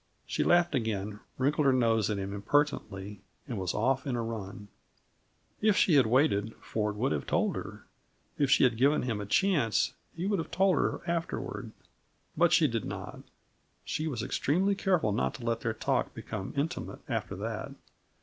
She laughed again, wrinkled her nose at him impertinently, and was off in a run. [Illustration: "Ford, I'm no coquette," she said straightforwardly.] If she had waited, Ford would have told her. If she had given him a chance, he would have told her afterward; but she did not. She was extremely careful not to let their talk become intimate, after that.